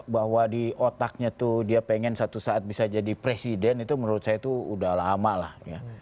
bahwa di otaknya tuh dia pengen satu saat bisa jadi presiden itu menurut saya tuh udah lama lah ya